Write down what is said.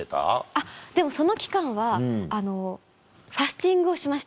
あっでもその期間はあのファスティングをしました。